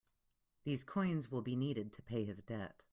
These coins will be needed to pay his debt.